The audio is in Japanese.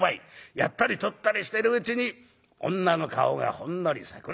やったり取ったりしてるうちに女の顔がほんのり桜色。